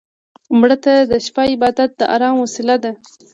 مړه ته د شپه عبادت د ارام وسيله ده